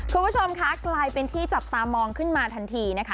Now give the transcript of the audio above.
คุณผู้ชมคะกลายเป็นที่จับตามองขึ้นมาทันทีนะคะ